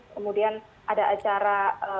kemudian ada acara